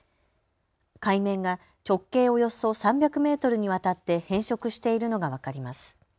海面が直径およそ３００メートルにわたって変色しているのが分かります。